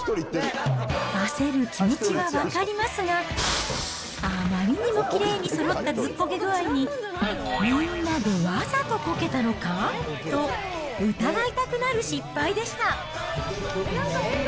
焦る気持ちは分かりますが、あまりにもきれいにそろったずっこけ具合に、みんなでわざとこけたのか？と疑いたくなる失敗でした。